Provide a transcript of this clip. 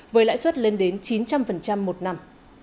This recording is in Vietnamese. với lãi suất lên đến chín trăm linh một năm